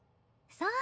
そう。